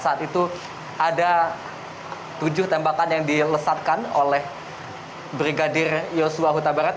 saat itu ada tujuh tembakan yang dilesatkan oleh brigadir yosua huta barat